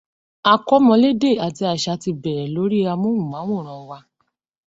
Akọ́mọlédè àti Àṣà ti bẹ̀rẹ̀ lórí amóhùnmáwòrán wa